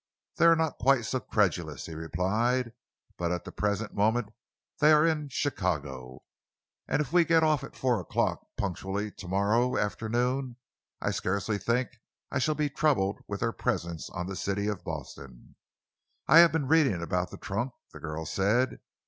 "They are not quite so credulous," he replied, "but at the present moment they are in Chicago, and if we get off at four o'clock punctually to morrow afternoon, I scarcely think I shall be troubled with their presence on the City of Boston." "I have been reading about the trunk," the girl said.